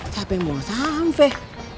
siapa yang buang sampah